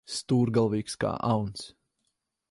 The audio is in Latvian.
Stūrgalvīgs kā auns.